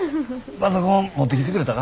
パソコン持ってきてくれたか？